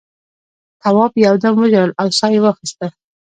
تواب یو دم وژړل او سا یې واخیسته.